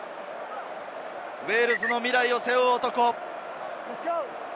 ウェールズの未来を背負う男。